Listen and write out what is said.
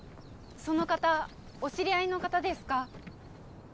その方お知り合いの方ですか？